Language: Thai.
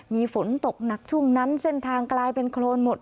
มีฝนตกหนักช่วงนั้นเส้นทางกลายเป็นโครนหมด